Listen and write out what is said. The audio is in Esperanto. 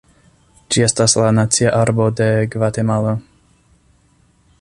Ĝi estas la nacia arbo de Gvatemalo.